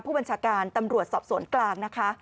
ผู้บัญชาการตำรวจสอบสวนกลางนะคะ